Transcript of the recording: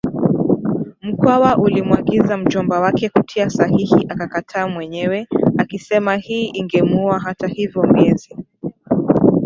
Mkwawa alimwagiza mjomba wake kutia sahihi akakataa mwenyewe akisema hii ingemwuaHata hivyo miezi